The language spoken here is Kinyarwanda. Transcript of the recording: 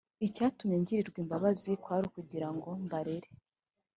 icyatumye ngirirwa imbabazi kwari ukugira ngo mbarere